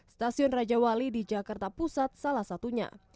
stasiun rajawali di jakarta pusat salah satunya